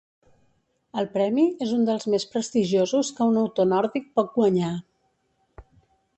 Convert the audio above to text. El premi és un dels més prestigiosos que un autor nòrdic pot guanyar.